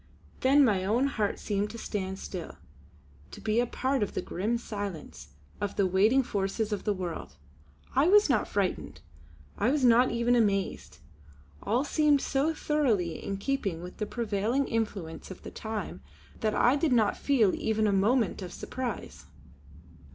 Then my own heart seemed to stand still, to be a part of the grim silence of the waiting forces of the world. I was not frightened; I was not even amazed. All seemed so thoroughly in keeping with the prevailing influence of the time that I did not feel even a moment of surprise.